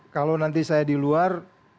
kalau nanti saya di luar